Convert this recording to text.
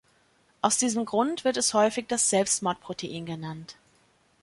Aus diesem Grund wird es häufig das Selbstmordprotein genannt.